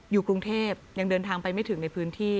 อยู่กรุงเทพยังเดินทางไปไม่ถึงในพื้นที่